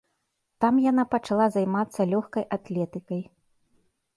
Там яна пачала займацца лёгкай атлетыкай.